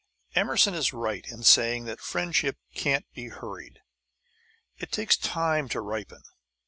Emerson is right in saying that friendship can't be hurried. It takes time to ripen.